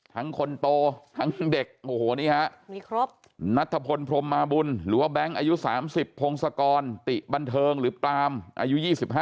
คนโตทั้งเด็กโอ้โหนี่ฮะนัทพลพรมมาบุญหรือว่าแบงค์อายุ๓๐พงศกรติบันเทิงหรือปรามอายุ๒๕